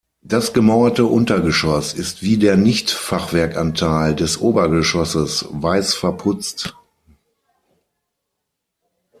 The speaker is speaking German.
Das gemauerte Untergeschoss ist wie der Nicht-Fachwerkanteil des Obergeschosses weiß verputzt.